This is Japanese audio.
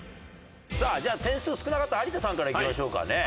さあじゃあ点数少なかった有田さんからいきましょうかね。